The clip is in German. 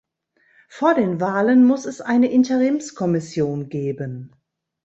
Vor den Wahlen muss es eine Interimskommission geben.